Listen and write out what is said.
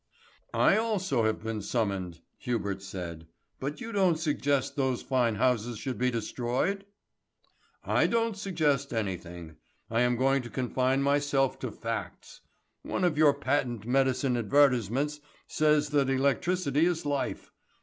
"I also have been summoned," Hubert said. "But you don't suggest that those fine houses should be destroyed?" "I don't suggest anything. I am going to confine myself to facts. One of your patent medicine advertisements says that electricity is life.